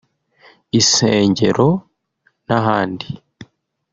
insengero n’ahandi